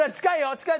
近い？